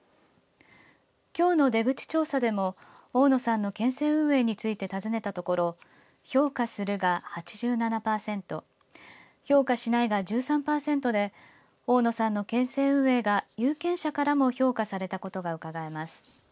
きょうの出口調査でも大野さんの県政運営について尋ねたところ評価するが８７％評価しないが１３％で大野さんの県政運営が有権者からも評価されたことがうかがえます。